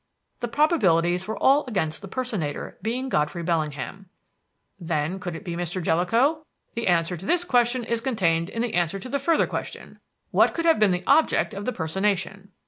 The probabilities were all against the personator being Godfrey Bellingham. "Then could it be Mr. Jellicoe? The answer to this question is contained in the answer to the further question: 'What could have been the object of the personation?'